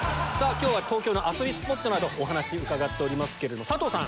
今日は東京の遊びスポットなどお話伺っておりますけども佐藤さん